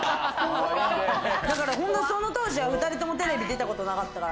だから本当、その当時は２人ともテレビでたことなかったから。